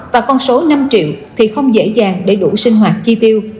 và con số năm triệu thì không dễ dàng để đủ sinh hoạt chi tiêu